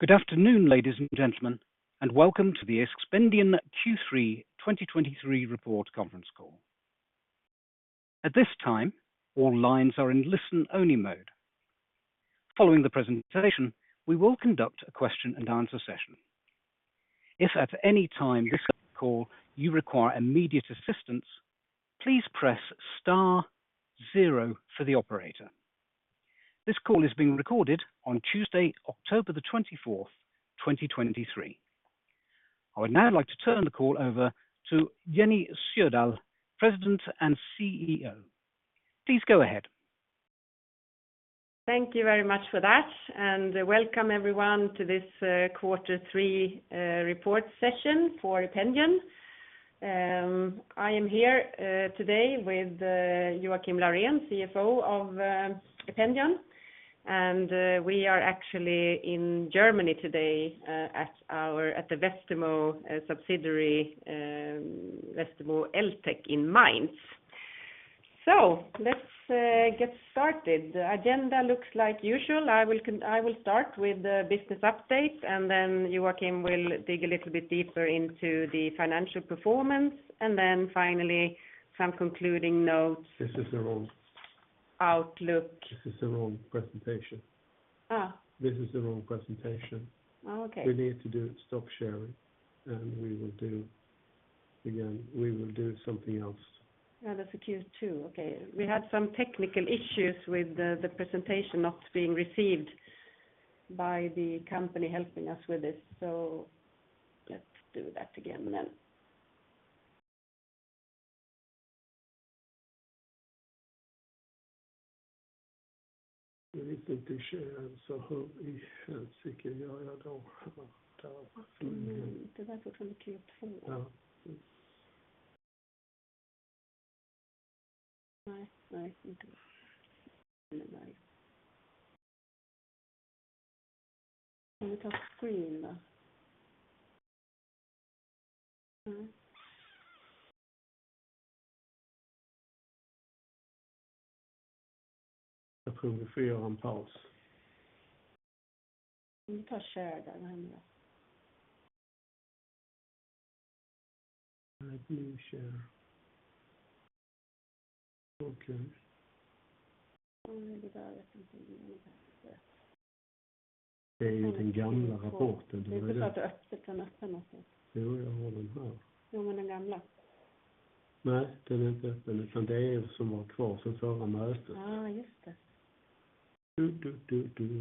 Good afternoon, ladies and gentlemen, and welcome to the Ependion Q3 2023 report conference call. At this time, all lines are in listen-only mode. Following the presentation, we will conduct a question and answer session. If at any time during this call you require immediate assistance, please press star zero for the operator. This call is being recorded on Tuesday, October the 24, 2023. I would now like to turn the call over to Jenny Sjödahl, President and CEO. Please go ahead. Thank you very much for that, and welcome everyone to this quarter three report session for Ependion. I am here today with Joakim Laurén, CFO of Ependion, and we are actually in Germany today at our Westermo subsidiary, Westermo Eltec in Mainz. So let's get started. The agenda looks like usual. I will start with the business update, and then Joakim will dig a little bit deeper into the financial performance, and then finally, some concluding notes. This is the wrong. Outlook. This is the wrong presentation. Ah. This is the wrong presentation. Oh, okay. We need to do stop sharing, and we will do again. We will do something else. Yeah, that's a Q2. Okay. We had some technical issues with the presentation not being received by the company helping us with this, so let's do that again then. And stop in the call. I think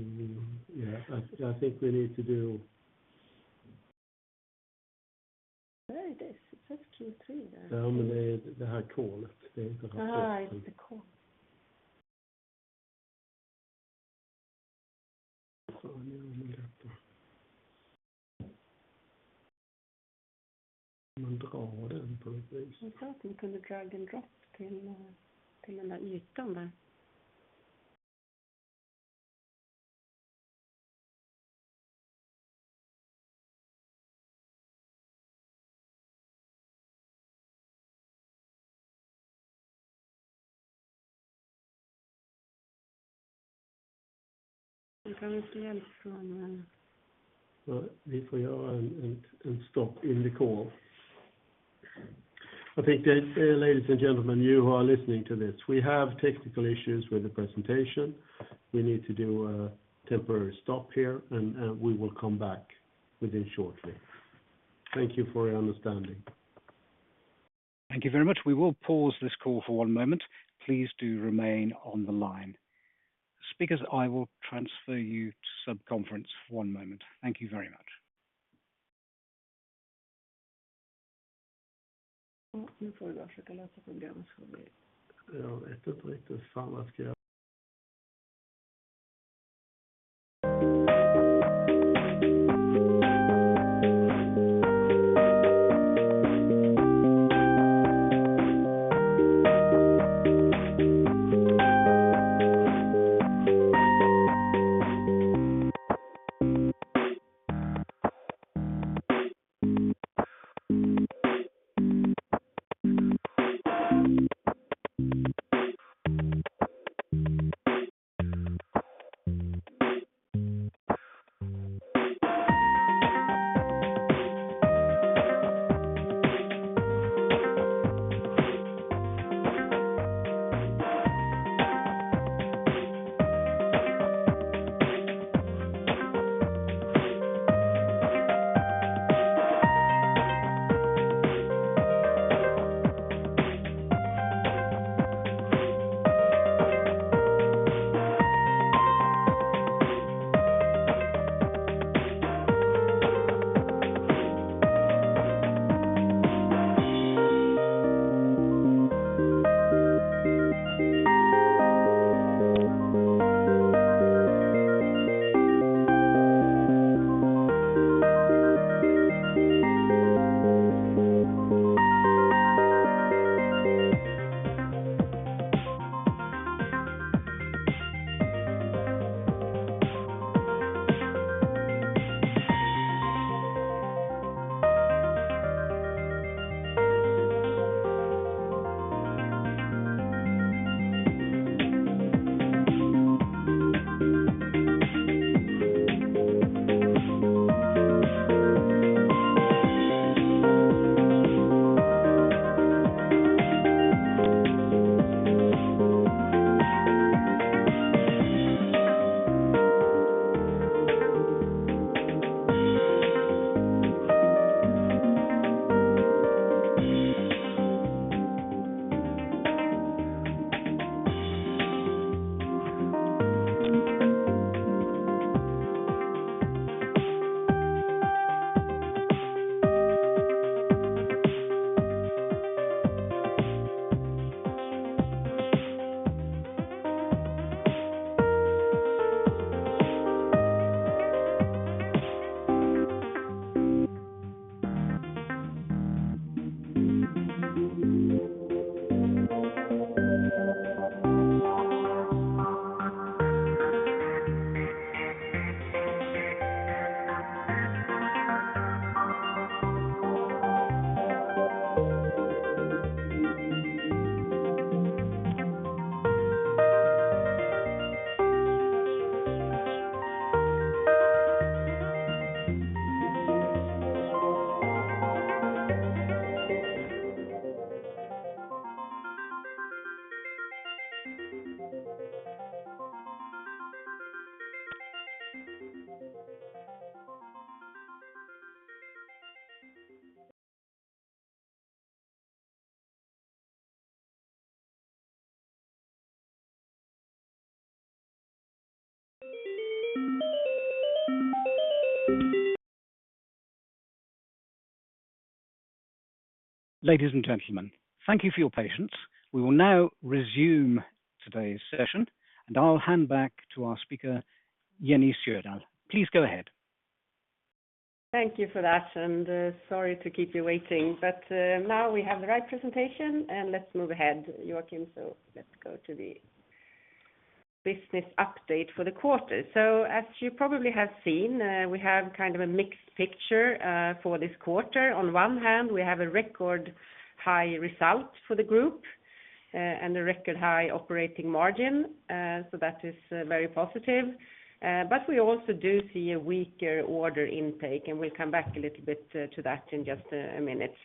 that, ladies and gentlemen, you who are listening to this, we have technical issues with the presentation. We need to do a temporary stop here, and we will come back within shortly. Thank you for your understanding. Thank you very much. We will pause this call for one moment. Please do remain on the line. Speakers, I will transfer you to sub-conference for one moment. Thank you very much. Ladies and gentlemen, thank you for your patience. We will now resume today's session, and I'll hand back to our speaker, Jenny Sjödahl. Please go ahead. Thank you for that, and, sorry to keep you waiting, but, now we have the right presentation, and let's move ahead, Joakim. So let's go to the business update for the quarter. So as you probably have seen, we have kind of a mixed picture, for this quarter. On one hand, we have a record high result for the group, and a record high operating margin. So that is, very positive. But we also do see a weaker order intake, and we'll come back a little bit, to that in just a minute.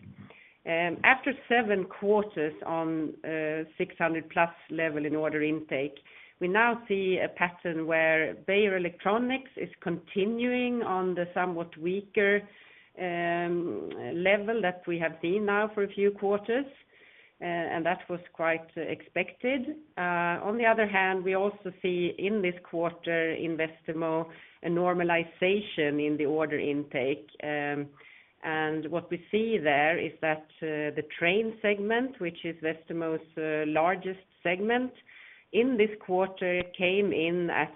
After seven quarters on, 600+ level in order intake, we now see a pattern where Beijer Electronics is continuing on the somewhat weaker, level that we have seen now for a few quarters. And that was quite expected. On the other hand, we also see in this quarter, in Westermo, a normalization in the order intake. What we see there is that the train segment, which is Westermo's largest segment in this quarter, came in at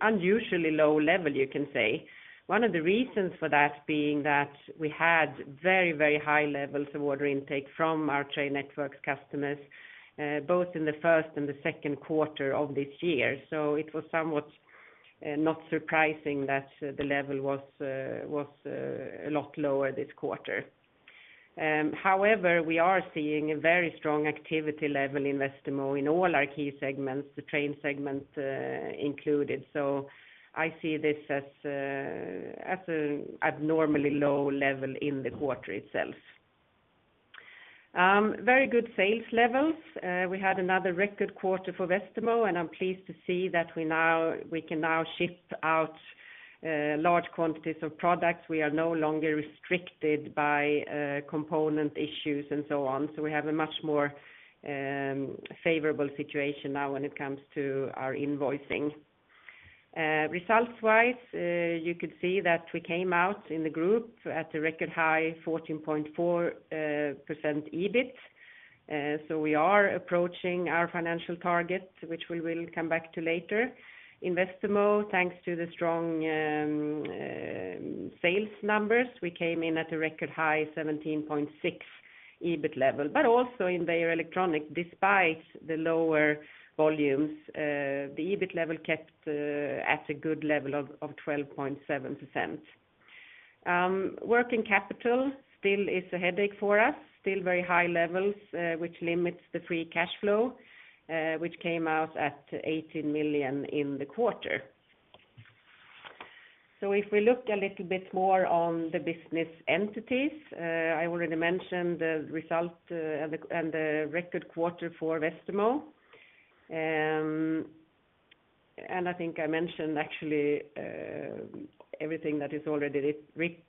unusually low level, you can say. One of the reasons for that being that we had very, very high levels of order intake from our train networks customers both in the first and the second quarter of this year. It was somewhat not surprising that the level was a lot lower this quarter. However, we are seeing a very strong activity level in Westermo in all our key segments, the train segment included. I see this as an abnormally low level in the quarter itself. Very good sales levels. We had another record quarter for Westermo, and I'm pleased to see that we can now ship out large quantities of products. We are no longer restricted by component issues and so on. So we have a much more favorable situation now when it comes to our invoicing. Results-wise, you could see that we came out in the group at a record high 14.4% EBIT. So we are approaching our financial targets, which we will come back to later. In Westermo, thanks to the strong sales numbers, we came in at a record high 17.6% EBIT level, but also in Beijer Electronics, despite the lower volumes, the EBIT level kept at a good level of 12.7%. Working capital still is a headache for us. Still very high levels, which limits the free cash flow, which came out at 18 million in the quarter. So if we look a little bit more on the business entities, I already mentioned the result, and the record quarter for Westermo. And I think I mentioned actually everything that is already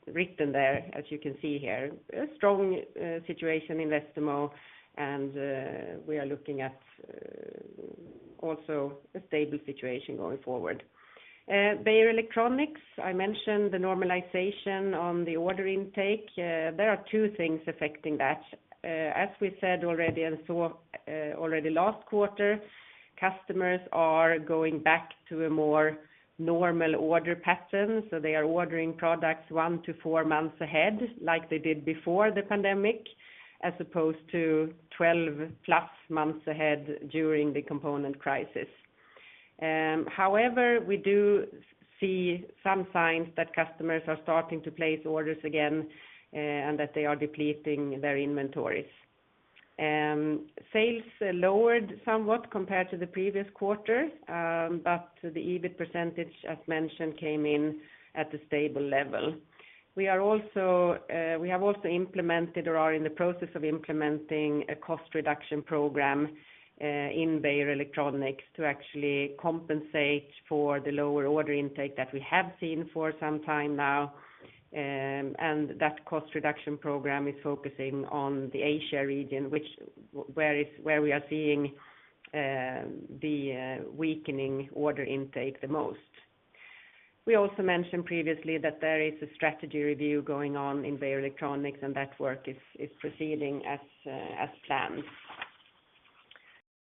written there, as you can see here, a strong situation in Westermo, and we are looking at also a stable situation going forward. Beijer Electronics, I mentioned the normalization on the order intake. There are two things affecting that. As we said already and saw already last quarter, customers are going back to a more normal order pattern. So they are ordering products 1-4 months ahead, like they did before the pandemic, as opposed to 12+ months ahead during the component crisis. However, we do see some signs that customers are starting to place orders again, and that they are depleting their inventories. Sales lowered somewhat compared to the previous quarter, but the EBIT percentage, as mentioned, came in at a stable level. We have also implemented or are in the process of implementing a cost reduction program in Beijer Electronics to actually compensate for the lower order intake that we have seen for some time now. That cost reduction program is focusing on the Asia region, which is where we are seeing the weakening order intake the most. We also mentioned previously that there is a strategy review going on in Beijer Electronics, and that work is proceeding as planned.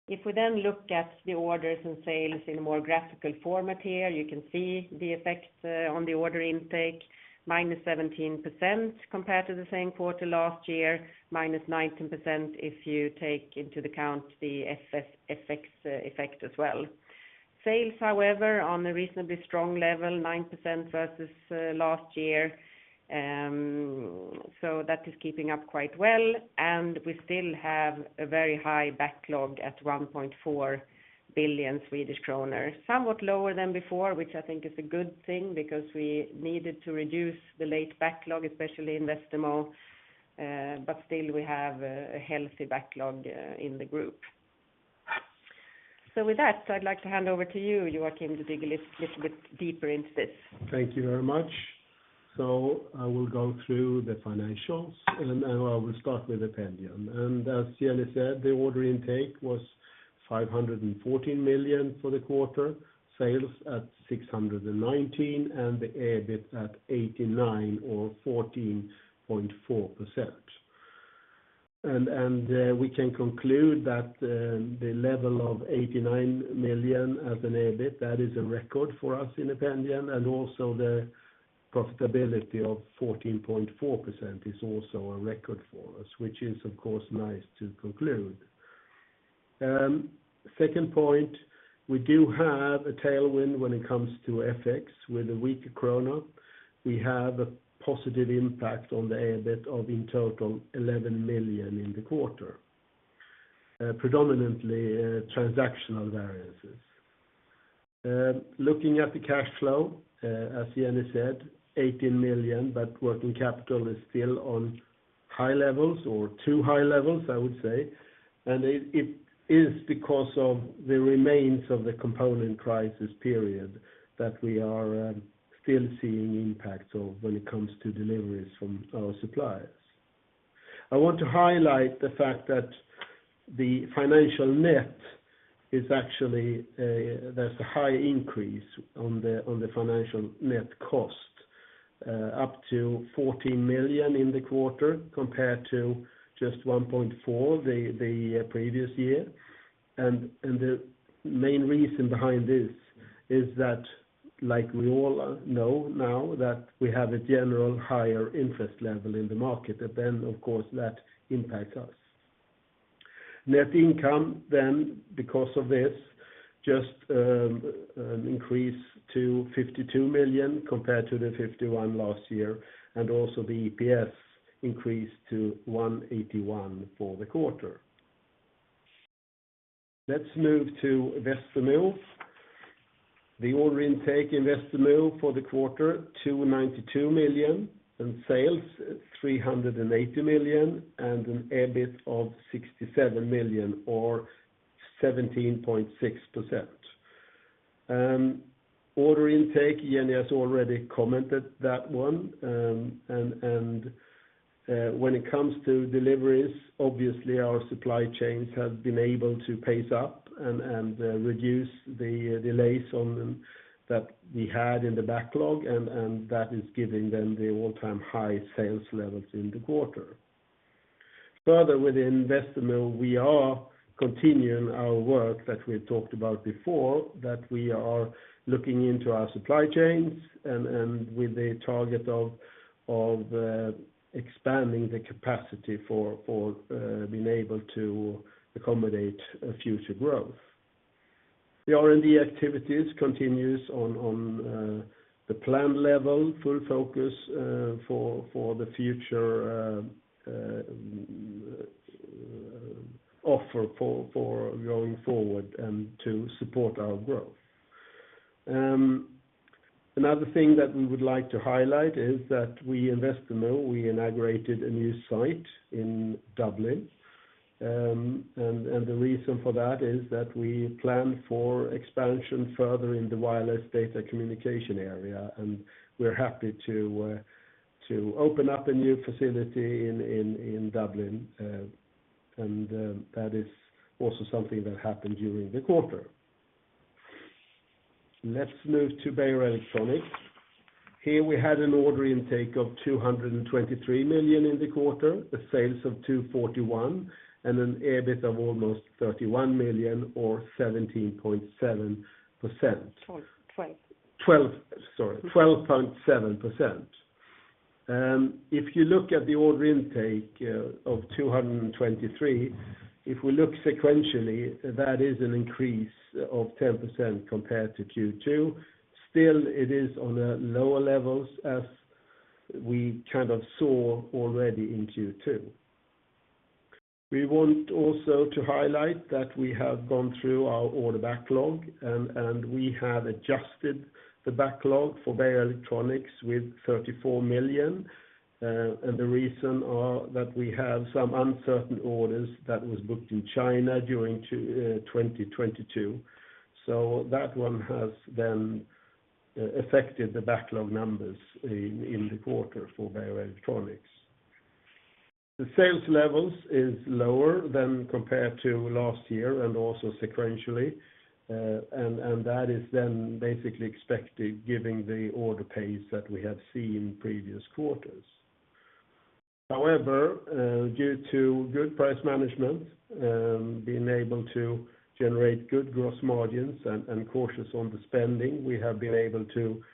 If we then look at the orders and sales in a more graphical format here, you can see the effects on the order intake, -17% compared to the same quarter last year, -19% if you take into account the FX effect as well. Sales, however, on a reasonably strong level, 9% versus last year, so that is keeping up quite well, and we still have a very high backlog at 1.4 billion Swedish kronor. Somewhat lower than before, which I think is a good thing because we needed to reduce the large backlog, especially in Westermo, but still we have a healthy backlog in the group. So with that, I'd like to hand over to you, Joakim, to dig a little bit deeper into this. Thank you very much. So I will go through the financials, and then I will start with the Ependion. And as Jenny said, the order intake was 514 million for the quarter, sales at 619 million, and the EBIT at 89 million or 14.4%. And we can conclude that the level of 89 million as an EBIT, that is a record for us in the Ependion, and also the profitability of 14.4% is also a record for us, which is, of course, nice to conclude. Second point, we do have a tailwind when it comes to FX. With a weaker krona, we have a positive impact on the EBIT of, in total, 11 million in the quarter, predominantly transactional variances. Looking at the cash flow, as Jenny said, 18 million, but working capital is still on high levels or too high levels, I would say. And it is because of the remains of the component crisis period that we are still seeing impacts of when it comes to deliveries from our suppliers. I want to highlight the fact that the financial net is actually there's a high increase on the financial net cost up to 14 million in the quarter, compared to just 1.4 the previous year. And the main reason behind this is that, like we all know now, that we have a general higher interest level in the market, and then, of course, that impacts us. Net income then, because of this, just, increased to 52 million compared to the 51 million last year, and also the EPS increased to 1.81 for the quarter. Let's move to Westermo. The order intake in Westermo for the quarter, 292 million, and sales, 380 million, and an EBIT of 67 million or 17.6%. Order intake, Jenny has already commented that one, and, and, when it comes to deliveries, obviously our supply chains have been able to pace up and, and, reduce the delays on them that we had in the backlog, and, and that is giving them the all-time high sales levels in the quarter. Further, within Westermo, we are continuing our work that we talked about before, that we are looking into our supply chains and with the target of expanding the capacity for being able to accommodate future growth. The R&D activities continues on the planned level, full focus for the future offer for going forward and to support our growth. Another thing that we would like to highlight is that we, in Westermo, we inaugurated a new site in Dublin, and the reason for that is that we plan for expansion further in the wireless data communication area, and we're happy to open up a new facility in Dublin, and that is also something that happened during the quarter. Let's move to Beijer Electronics. Here, we had an order intake of 223 million in the quarter, the sales of 241 million, and an EBIT of almost 31 million or 17.7%. 12.7%. 12.7%. If you look at the order intake of 223, if we look sequentially, that is an increase of 10% compared to Q2. Still, it is on lower levels as we kind of saw already in Q2. We want also to highlight that we have gone through our order backlog and we have adjusted the backlog for Beijer Electronics with 34 million. And the reason are that we have some uncertain orders that was booked in China during 2022. So that one has then affected the backlog numbers in the quarter for Beijer Electronics. The sales levels is lower than compared to last year and also sequentially. And that is then basically expected, given the order pace that we have seen in previous quarters. However, due to good price management, being able to generate good gross margins and cautious on the spending, we have been able to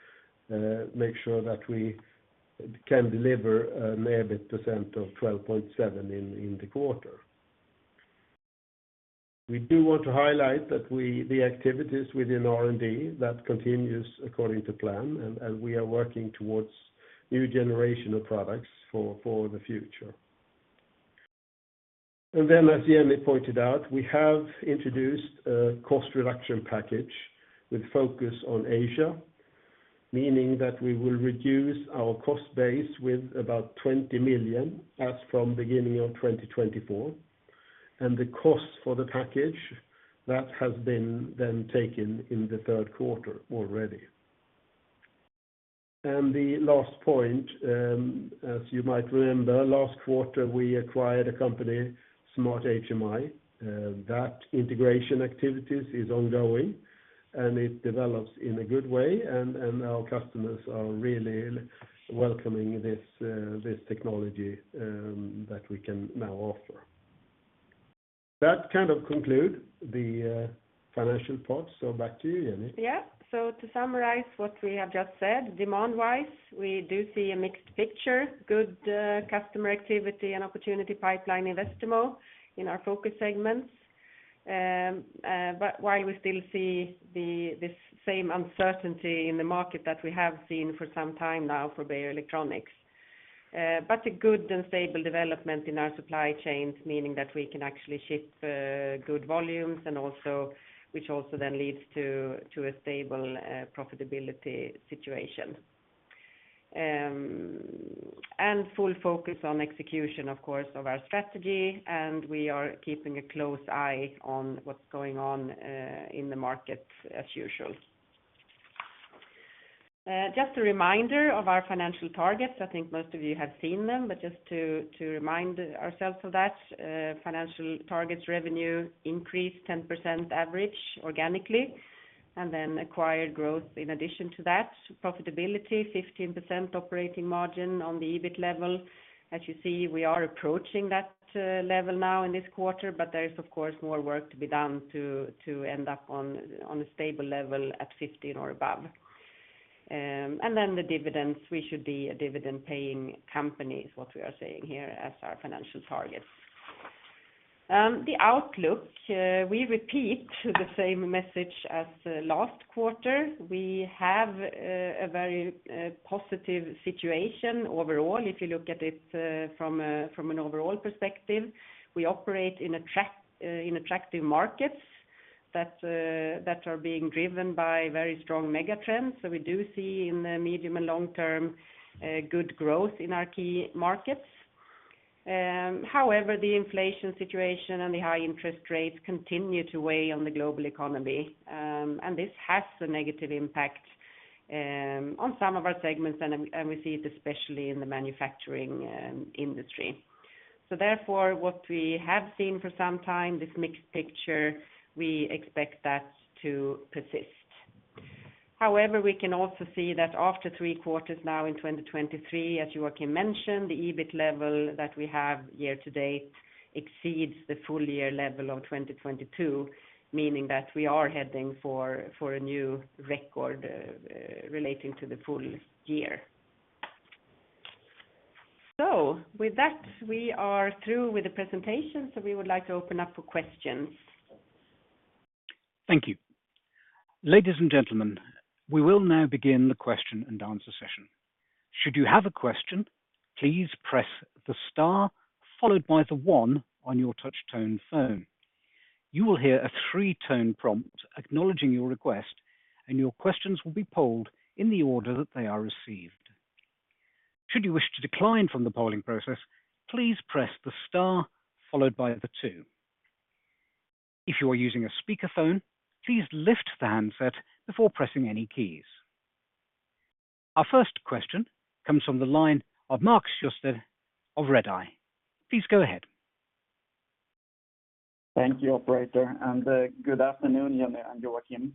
make sure that we can deliver an EBIT of 12.7% in the quarter. We do want to highlight that the activities within R&D that continues according to plan, and we are working towards new generation of products for the future. And then, as Jenny pointed out, we have introduced a cost reduction package with focus on Asia, meaning that we will reduce our cost base with about 20 million as from beginning of 2024. And the cost for the package, that has been then taken in the third quarter already. And the last point, as you might remember, last quarter, we acquired a company, Smart HMI. That integration activities is ongoing, and it develops in a good way, and our customers are really welcoming this, this technology that we can now offer. That kind of conclude the financial part. So back to you, Jenny. Yeah. So to summarize what we have just said, demand-wise, we do see a mixed picture, good customer activity and opportunity pipeline in Westermo in our focus segments. But while we still see this same uncertainty in the market that we have seen for some time now for Beijer Electronics. But a good and stable development in our supply chains, meaning that we can actually ship good volumes and also, which also then leads to a stable profitability situation. And full focus on execution, of course, of our strategy, and we are keeping a close eye on what's going on in the market as usual. Just a reminder of our financial targets. I think most of you have seen them, but just to remind ourselves of that, financial targets revenue increased 10% average organically, and then acquired growth in addition to that. Profitability, 15% operating margin on the EBIT level. As you see, we are approaching that level now in this quarter, but there is, of course, more work to be done to end up on a stable level at 15% or above. And then the dividends, we should be a dividend-paying company, is what we are saying here as our financial targets. The outlook, we repeat the same message as last quarter. We have a very positive situation overall. If you look at it, from an overall perspective, we operate in attractive markets that are being driven by very strong megatrends. So we do see in the medium and long term, good growth in our key markets. However, the inflation situation and the high interest rates continue to weigh on the global economy, and this has a negative impact on some of our segments, and we see it especially in the manufacturing industry. So therefore, what we have seen for some time, this mixed picture, we expect that to persist. However, we can also see that after three quarters now in 2023, as Joakim mentioned, the EBIT level that we have year to date exceeds the full year level of 2022, meaning that we are heading for a new record relating to the full year. So with that, we are through with the presentation, so we would like to open up for questions. Thank you. Ladies and gentlemen, we will now begin the question and answer session. Should you have a question, please press the star followed by the one on your touch tone phone. You will hear a three-tone prompt acknowledging your request, and your questions will be polled in the order that they are received. Should you wish to decline from the polling process, please press the star followed by the two. If you are using a speakerphone, please lift the handset before pressing any keys. Our first question comes from the line of Mark Siöstedt of Redeye. Please go ahead. Thank you, operator, and good afternoon, Jenny and Joakim,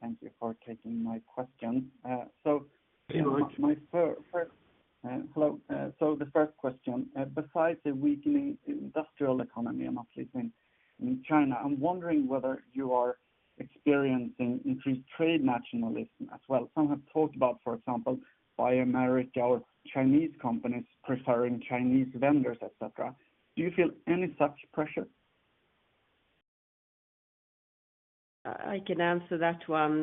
thank you for taking my question. Hey, Mark. So the first question, besides the weakening industrial economy, and obviously in China, I'm wondering whether you are experiencing increased trade nationalism as well? Some have talked about, for example, Buy American or Chinese companies preferring Chinese vendors, etc. Do you feel any such pressure? I can answer that one.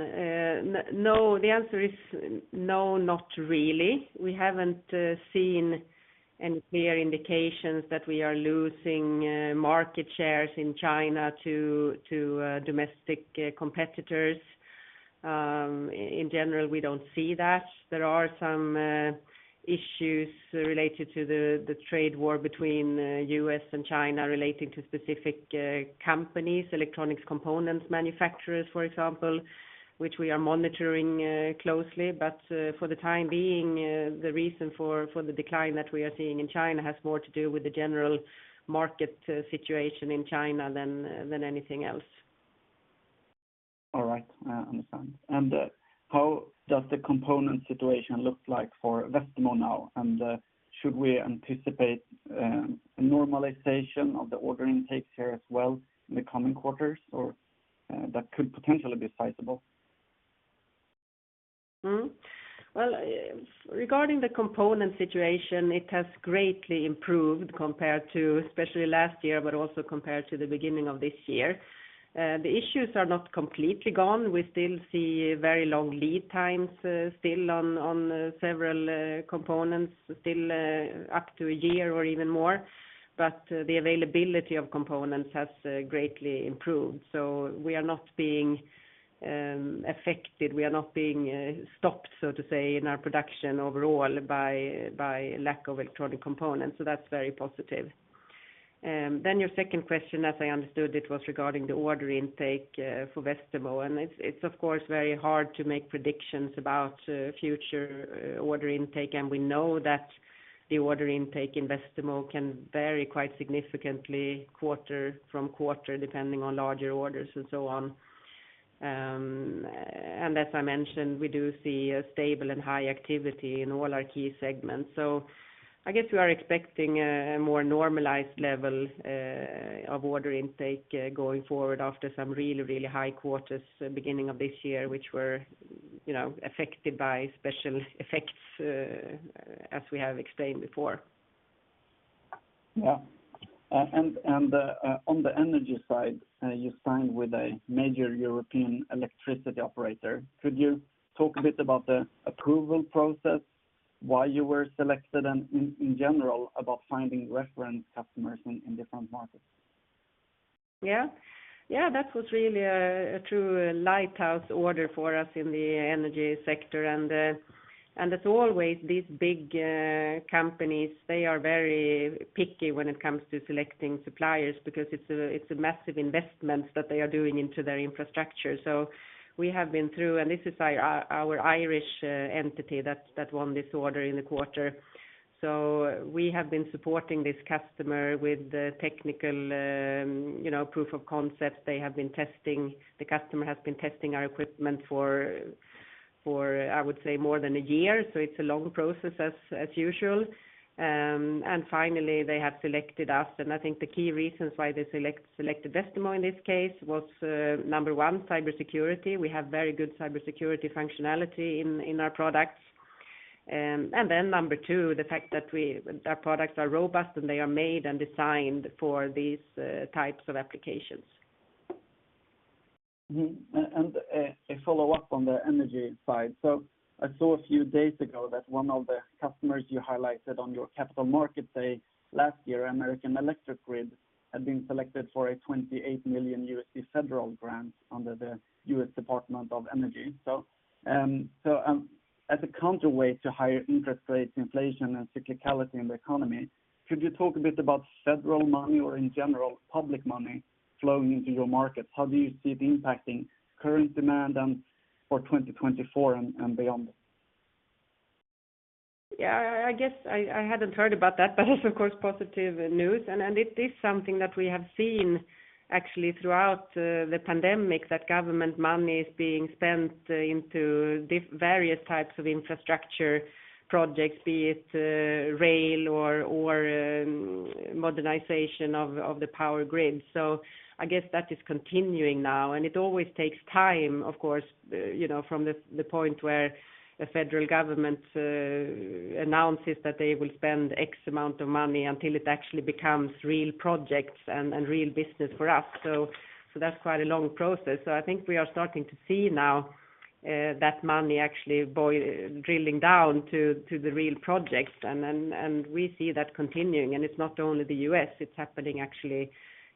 No, the answer is no, not really. We haven't seen any clear indications that we are losing market shares in China to domestic competitors. In general, we don't see that. There are some issues related to the trade war between the U.S. and China relating to specific companies, electronic components manufacturers, for example, which we are monitoring closely. But for the time being, the reason for the decline that we are seeing in China has more to do with the general market situation in China than anything else. All right, I understand. And how does the component situation look like for Westermo now? And should we anticipate a normalization of the order intake here as well in the coming quarters, or that could potentially be sizable? Well, regarding the component situation, it has greatly improved compared to especially last year, but also compared to the beginning of this year. The issues are not completely gone. We still see very long lead times, still on several components, still up to a year or even more. But the availability of components has greatly improved. So we are not being affected. We are not being stopped, so to say, in our production overall by lack of electronic components. So that's very positive. Then your second question, as I understood it, was regarding the order intake for Westermo, and it's of course very hard to make predictions about future order intake. And we know that the order intake in Westermo can vary quite significantly quarter from quarter, depending on larger orders and so on. And as I mentioned, we do see a stable and high activity in all our key segments. So I guess we are expecting a more normalized level of order intake going forward after some really, really high quarters beginning of this year, which were, you know, affected by special effects as we have explained before. Yeah. And on the energy side, you signed with a major European electricity operator. Could you talk a bit about the approval process, why you were selected, and in general, about finding reference customers in different markets? Yeah. Yeah, that was really a true lighthouse order for us in the energy sector. And as always, these big companies, they are very picky when it comes to selecting suppliers because it's a massive investment that they are doing into their infrastructure. So we have been through, and this is our Irish entity that won this order in the quarter. So we have been supporting this customer with the technical, you know, proof of concept. They have been testing. The customer has been testing our equipment for, I would say, more than a year, so it's a long process, as usual. And finally, they have selected us, and I think the key reasons why they selected Westermo in this case was, number one, cybersecurity. We have very good cybersecurity functionality in our products. And then number two, the fact that we, our products are robust, and they are made and designed for these types of applications. And, a follow-up on the energy side. So I saw a few days ago that one of the customers you highlighted on your Capital Markets Day last year, American Electric Grid, had been selected for a $28 million federal grant under the U.S. Department of Energy. So, as a counterweight to higher interest rates, inflation, and cyclicality in the economy, could you talk a bit about federal money, or in general, public money flowing into your markets? How do you see it impacting current demand, for 2024 and beyond? Yeah, I guess I hadn't heard about that, but it's of course positive news. And it is something that we have seen actually throughout the pandemic, that government money is being spent into various types of infrastructure projects, be it rail or modernization of the power grid. So I guess that is continuing now, and it always takes time, of course, you know, from the point where the federal government announces that they will spend X amount of money until it actually becomes real projects and real business for us. So that's quite a long process. So I think we are starting to see now that money actually drilling down to the real projects, and then we see that continuing. It's not only the U.S., it's happening actually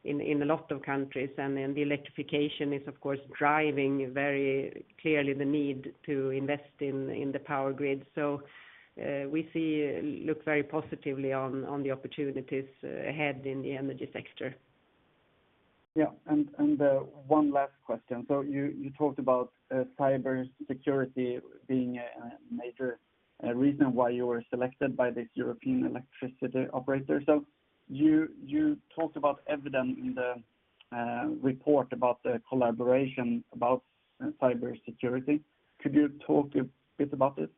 in a lot of countries. Then the electrification is, of course, driving very clearly the need to invest in the power grid. So we look very positively on the opportunities ahead in the energy sector. Yeah, and one last question. So you talked about cyber security being a major reason why you were selected by this European electricity operator. So you talked about Eviden in the report about the collaboration about cybersecurity. Could you talk a bit about it?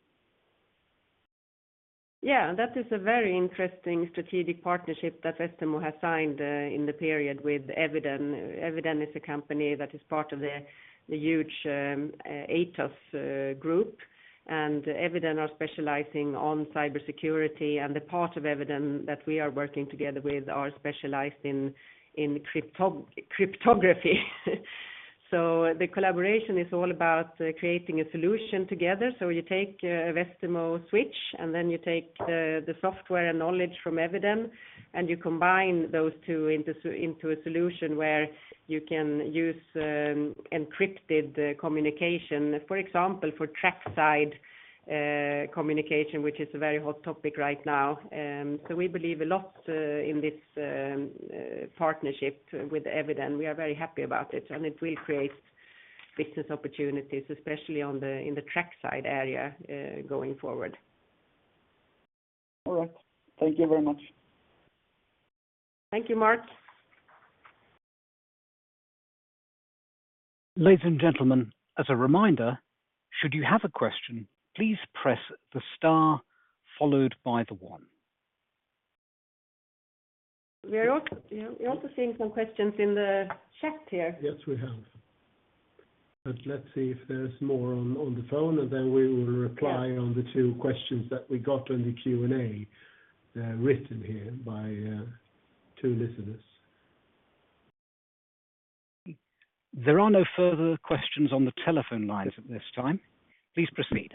Yeah, that is a very interesting strategic partnership that Westermo has signed in the period with Eviden. Eviden is a company that is part of the huge Atos group, and Eviden are specializing on cybersecurity, and the part of Eviden that we are working together with are specialized in cryptography. So the collaboration is all about creating a solution together. So you take a Westermo switch, and then you take the software and knowledge from Eviden, and you combine those two into a solution where you can use encrypted communication. For example, for trackside communication, which is a very hot topic right now. So we believe a lot in this partnership with Eviden. We are very happy about it, and it will create business opportunities, especially on the, in the trackside area, going forward. All right. Thank you very much. Thank you, Mark. Ladies and gentlemen, as a reminder, should you have a question, please press the star followed by the one. We are also, we are also seeing some questions in the chat here. Yes, we have. But let's see if there's more on the phone, and then we will reply on the two questions that we got on the Q&A, written here by two listeners. There are no further questions on the telephone lines at this time. Please proceed.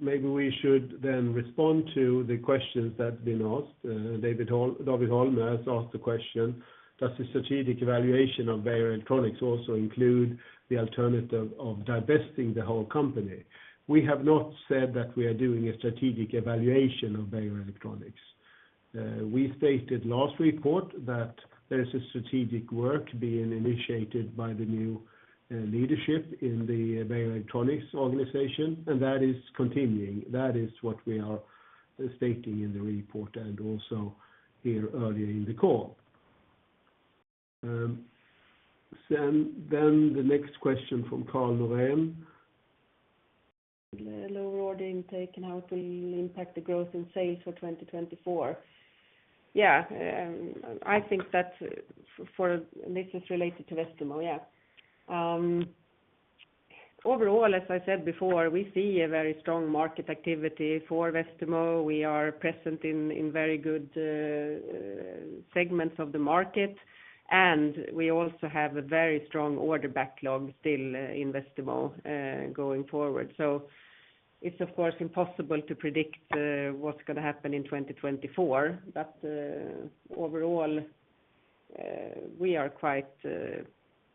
Maybe we should then respond to the questions that have been asked. David Holmer has asked the question: Does the strategic evaluation of Beijer Electronics also include the alternative of divesting the whole company? We have not said that we are doing a strategic evaluation of Beijer Electronics. We stated last report that there is a strategic work being initiated by the new leadership in the Beijer Electronics organization, and that is continuing. That is what we are stating in the report and also here earlier in the call. Then the next question from Karl Norén. The lower order intake, and how it will impact the growth in sales for 2024. Yeah, I think that's for—this is related to Westermo, yeah. Overall, as I said before, we see a very strong market activity for Westermo. We are present in very good segments of the market, and we also have a very strong order backlog still in Westermo going forward. So it's, of course, impossible to predict what's gonna happen in 2024, but overall, we are quite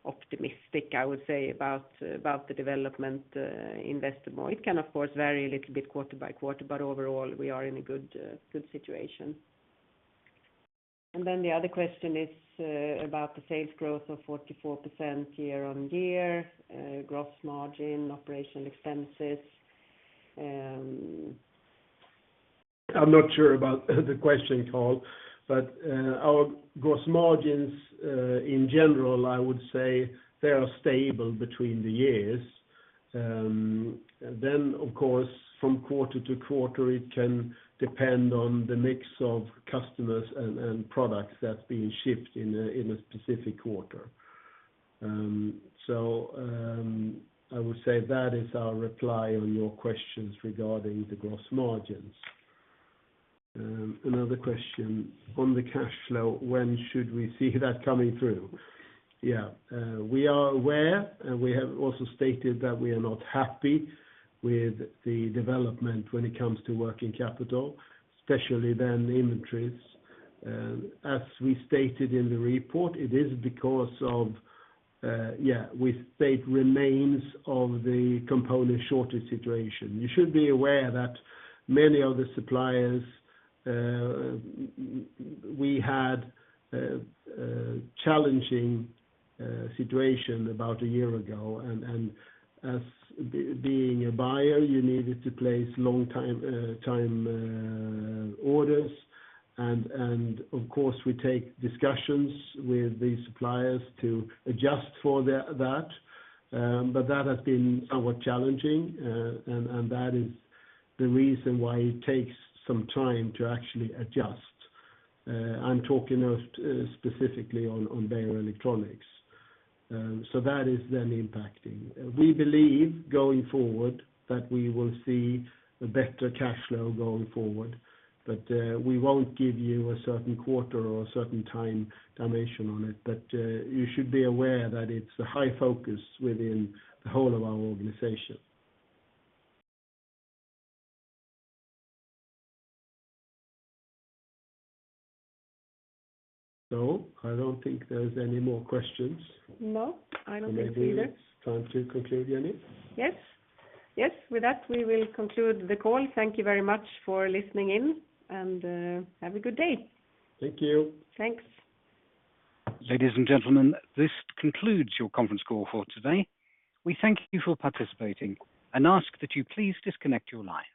optimistic, I would say, about the development in Westermo. It can, of course, vary a little bit quarter by quarter, but overall, we are in a good situation. And then the other question is about the sales growth of 44% year-over-year, gross margin, operational expenses. I'm not sure about the question, Carl, but our gross margins, in general, I would say they are stable between the years. Then, of course, from quarter to quarter, it can depend on the mix of customers and products that's being shipped in a specific quarter. I would say that is our reply on your questions regarding the gross margins. Another question on the cash flow, when should we see that coming through? We are aware, and we have also stated that we are not happy with the development when it comes to working capital, especially then the inventories. As we stated in the report, it is because of the state remains of the component shortage situation. You should be aware that many of the suppliers, we had a challenging situation about a year ago, and as being a buyer, you needed to place long time orders, and of course, we take discussions with the suppliers to adjust for that, but that has been somewhat challenging, and that is the reason why it takes some time to actually adjust. I'm talking of specifically on Beijer Electronics. So that is then impacting. We believe, going forward, that we will see a better cash flow going forward, but we won't give you a certain quarter or a certain time duration on it, but you should be aware that it's a high focus within the whole of our organization. So I don't think there's any more questions. No, I don't think either. Maybe it's time to conclude, Jenny? Yes. Yes, with that, we will conclude the call. Thank you very much for listening in, and have a good day. Thank you. Thanks. Ladies and gentlemen, this concludes your conference call for today. We thank you for participating and ask that you please disconnect your lines.